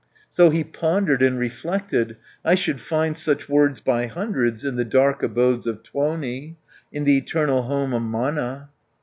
So he pondered and reflected, "I should find such words by hundreds In the dark abodes of Tuoni, In the eternal home of Mana."